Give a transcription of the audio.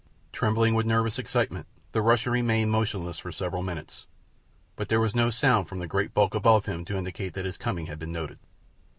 Trembling with nervous excitement, the Russian remained motionless for several minutes; but there was no sound from the great bulk above him to indicate that his coming had been noted.